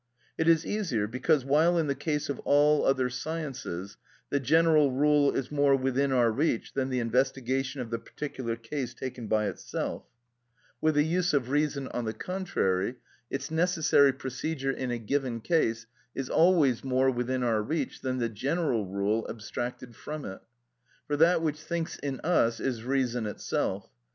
It is easier, because, while in the case of all other sciences, the general rule is more within our reach than the investigation of the particular case taken by itself; with the use of reason, on the contrary, its necessary procedure in a given case is always more within our reach than the general rule abstracted from it; for that which thinks in us is reason itself.